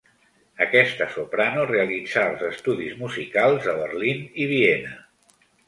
Aquesta soprano realitzà els estudis musicals a Berlín i Viena.